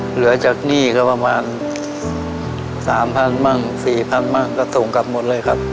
เหลือจากหนี้ก็ประมาณสามพันบ้างสี่พันบ้างก็ส่งกลับหมดเลยครับ